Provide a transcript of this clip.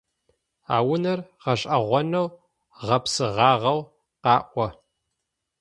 А унэр гъэшӏэгъонэу гъэпсыгъагъэу къаӏо.